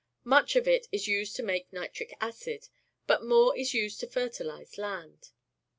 Much of it is used to make nitric acid, but more is used to ferliUze land.